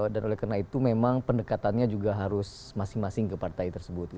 oleh karena itu memang pendekatannya juga harus masing masing ke partai tersebut